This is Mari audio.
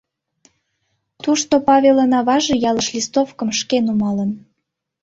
Тушто Павелын аваже ялыш листовкым шке нумалын.